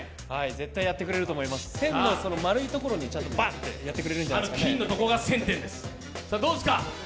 絶対やってくれると思います、１０００の丸いところにちゃんとバンってやってくれるんじゃないですかね。